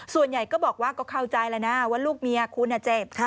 ส่วนใหญ่ก็บอกว่าก็เข้าใจแล้วนะว่าลูกเมียคุณเจ็บ